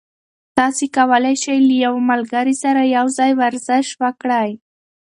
تاسي کولای شئ له یو ملګري سره یوځای ورزش وکړئ.